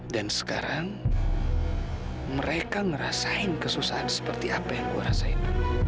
dan sekarang mereka ngerasain kesusahan seperti apa yang gue rasain